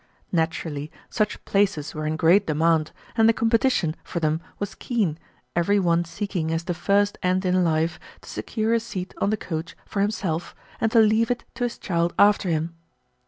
Naturally such places were in great demand and the competition for them was keen, every one seeking as the first end in life to secure a seat on the coach for himself and to leave it to his child after him.